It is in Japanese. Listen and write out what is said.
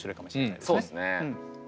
そうですね。